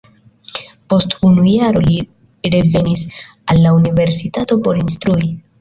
Post unu jaro li revenis al la universitato por instrui.